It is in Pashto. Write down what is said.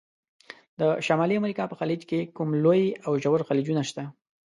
د شمالي امریکا په خلیج کې کوم لوی او ژور خلیجونه شته؟